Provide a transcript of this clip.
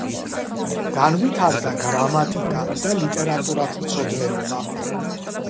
განვითარდა გრამატიკა და ლიტერატურათმცოდნეობა.